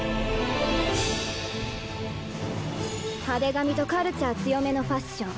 派手髪とカルチャー強めのファッション。